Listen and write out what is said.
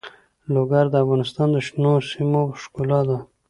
لوگر د افغانستان د شنو سیمو ښکلا ده.